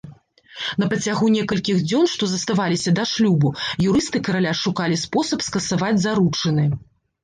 На працягу некалькіх дзён, што заставаліся да шлюбу, юрысты караля шукалі спосаб скасаваць заручыны.